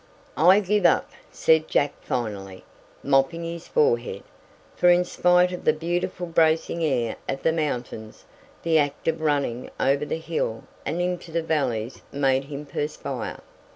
"I give up," said Jack finally, mopping his forehead, for in spite of the beautiful bracing air of the mountains, the act of running over the hill and into the valleys made him perspire.